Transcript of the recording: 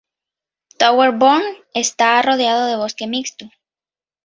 Tower Burns está rodeado de bosque mixto.